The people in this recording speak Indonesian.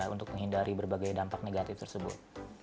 untuk menghindari berbagai dampak negatif tersebut